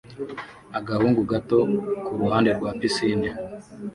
Agahungu gato kuruhande rwa pisine